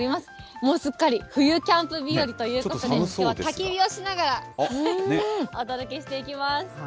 もうすっかり、冬キャンプ日和ということで、たき火をしながらお届けしていきます。